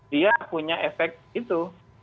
dia punya efek itu